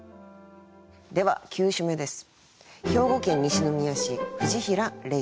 では９首目です。